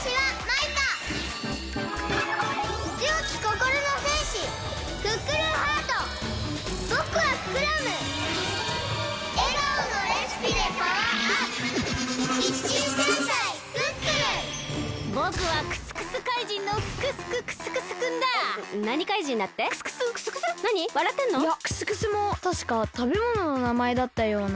いやクスクスもたしかたべものの名前だったような。